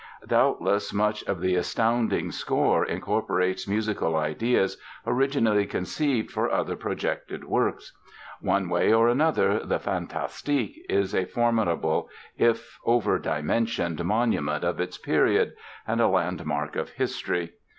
Doubtless much of the astounding score incorporates musical ideas originally conceived for other projected works. One way or another, the "Fantastique" is a formidable, if overdimensioned monument of its period, and a landmark of history.